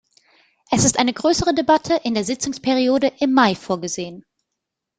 Es ist eine größere Debatte in der Sitzungsperiode im Mai vorgesehen.